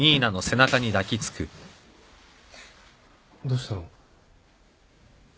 どうしたの？